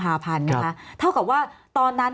สำหรับกำลังการผลิตหน้ากากอนามัย